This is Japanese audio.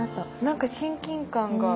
何か親近感が。